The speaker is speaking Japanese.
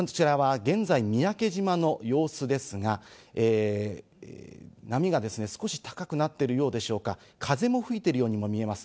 こちらは現在、三宅島の様子ですが、波がですね、少し高くなっているようでしょうか、風も吹いているようにも見えます。